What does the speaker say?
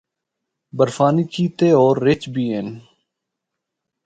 برفانی چیتے ہور رِچھ بھی ہن۔